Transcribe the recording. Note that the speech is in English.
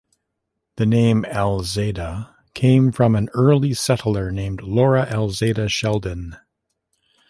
The name "Alzada" came from an early settler named Laura Alzada Shelden.